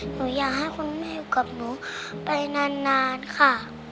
หนูอยากให้คุณแม่อยู่กับหนูไปนานค่ะ